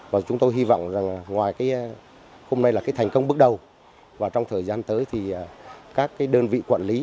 và chúng tôi hy vọng rằng ngoài hôm nay là thành công bước đầu và trong thời gian tới thì các đơn vị quản lý